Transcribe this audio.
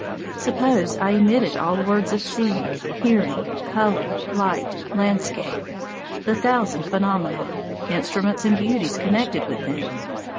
Suppose I omitted all words of seeing, hearing, colour, light, landscape, the thousand phenomena, instruments and beauties connected with them.